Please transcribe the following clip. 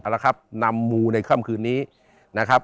เอาละครับนำมูในค่ำคืนนี้นะครับ